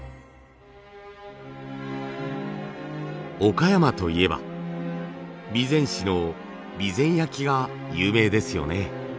岡山といえば備前市の備前焼が有名ですよね。